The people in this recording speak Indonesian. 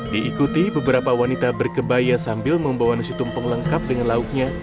diikuti beberapa wanita berkebaya sambil membawa nasi tumpeng lengkap dengan lauknya